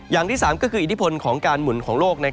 อย่างที่๓ก็คืออิทธิพลของการหมุนของโลก